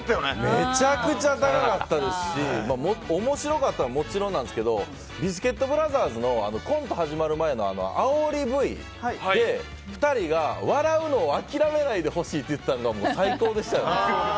めちゃくちゃ高かったですし面白かったのはもちろんなんですけどビスケットブラザーズのコント始まる前のあおりＶで、２人が笑うのを諦めないでほしいって言ってたのが最高でしたよ。